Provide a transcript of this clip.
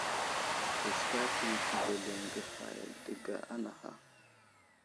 Wutskar ɗi təveleŋge hay dəga anaha.